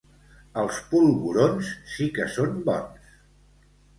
Els polvorons sí que són bons!